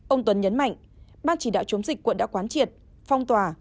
ông tuấn nhấn mạnh ban chỉ đạo chống dịch quận đã quán triệt phong tỏa